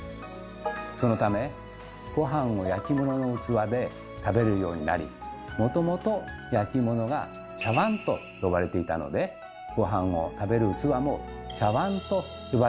そのためごはんを焼き物の器で食べるようになりもともと焼き物が「茶わん」と呼ばれていたのでごはんを食べる器も「茶わん」と呼ばれるようになった。